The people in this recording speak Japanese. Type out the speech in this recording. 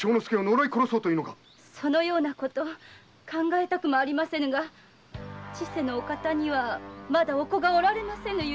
そのようなこと考えたくもありませぬが千世のお方にはまだお子がおらせませぬ故。